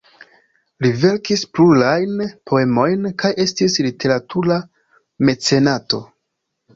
Li verkis plurajn poemojn kaj estis literatura mecenato.